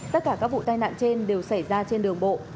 tất cả các vụ tai nạn trên đều xảy ra trên đường bộ